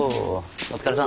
お疲れさん。